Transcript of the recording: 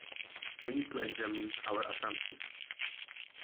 We need to examine our assumptions.